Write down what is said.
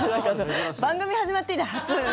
番組始まって以来初。